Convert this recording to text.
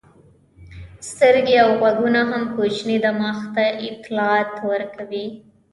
سترګې او غوږونه هم کوچني دماغ ته اطلاعات ورکوي.